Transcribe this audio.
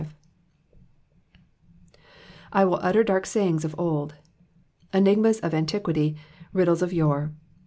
^'' I will utter dark myingsof old;'''* — enigmas of antiquity, riddles of yore.